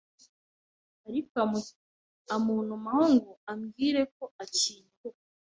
ariko amuntumaho ngo ambwire ko akinyubuka